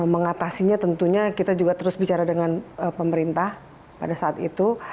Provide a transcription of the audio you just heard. mengatasinya tentunya kita juga terus bicara dengan pemerintah pada saat itu